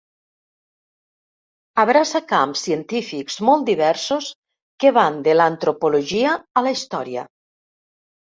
Abraça camps científics molt diversos que van de l’antropologia a la història.